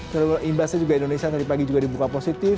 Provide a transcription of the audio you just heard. karena imbasnya juga indonesia tadi pagi juga dibuka positif